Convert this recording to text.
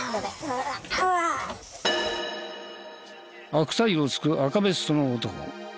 悪態をつく赤ベストの男。